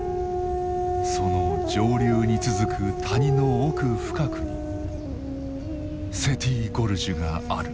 その上流に続く谷の奥深くにセティ・ゴルジュがある。